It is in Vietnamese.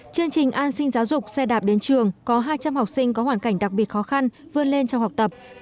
chương trình an sinh giáo dục xe đạp đến trường có hai trăm linh học sinh có hoàn cảnh đặc biệt khó khăn vươn lên trong học tập